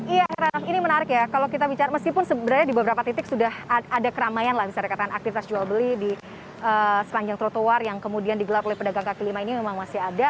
iya heranov ini menarik ya kalau kita bicara meskipun sebenarnya di beberapa titik sudah ada keramaian lah bisa dikatakan aktivitas jual beli di sepanjang trotoar yang kemudian digelar oleh pedagang kaki lima ini memang masih ada